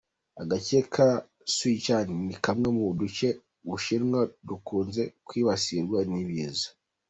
Agace ka Sichuan ni kamwe mu duce tw’ u Bushinwa dukunze kwibasirwa n’ ibiza.